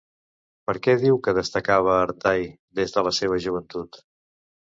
Per què diu que destacava Artai des de la seva joventut?